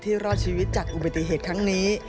รอดชีวิตจากอุบัติเหตุครั้งนี้